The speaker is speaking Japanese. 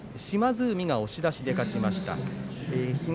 島津海、押し出しで勝ちました。